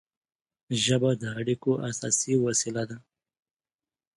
ژبه د اړیکو اساسي وسیله ده.